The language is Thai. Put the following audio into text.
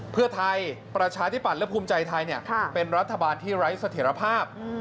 เพื่อไทยประชาธิปันฯและภูมิใจไทยเนี่ยเป็นรัฐบาลที่ไร้สถิภาพ